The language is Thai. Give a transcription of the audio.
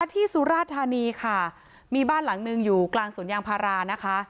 สุราธานีค่ะมีบ้านหลังหนึ่งอยู่กลางสวนยางพารานะคะ